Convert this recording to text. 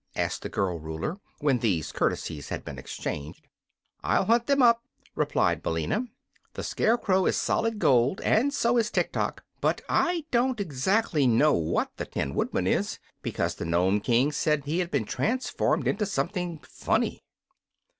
asked the girl Ruler, when these courtesies had been exchanged. "I'll hunt them up," replied Billina. "The Scarecrow is solid gold, and so is Tiktok; but I don't exactly know what the Tin Woodman is, because the Nome King said he had been transformed into something funny."